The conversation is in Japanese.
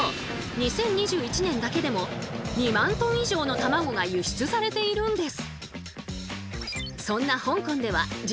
２０２１年だけでも２万トン以上のたまごが輸出されているんです。